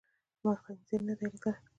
ما خنزير ندی لیدلی.